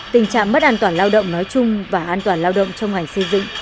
tình trạng mất an toàn lao động nói chung và an toàn lao động trong ngành xây dựng